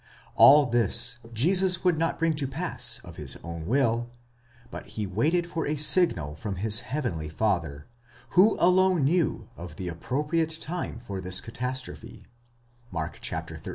All this Jesus would not bring to pass of his own will, but he waited fora signal from his heavenly Father, who alone knew the appropriate time for this catastrophe (Mark xiii.